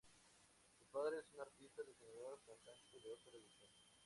Su padre es un artista, diseñador, cantante de ópera y actor.